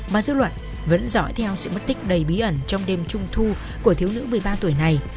mà dư luận vẫn dõi theo sự mất tích đầy bí ẩn trong đêm trung thu của thiếu nữ một mươi ba tuổi này